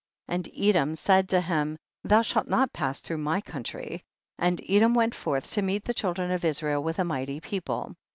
26. And Edom said to him, thou shalt not pass through my countrj/, and Edom went forth to meet the children of Israel with a mighty people.